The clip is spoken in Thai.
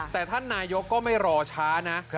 แต่ท่านนายกก็ไม่รอช้านะ